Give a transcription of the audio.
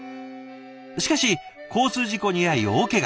しかし交通事故に遭い大けが。